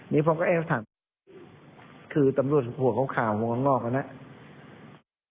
นี่ผมก็แอบถามคือตำรวจหัวเข้าข่าวหัวงอกอันนั้น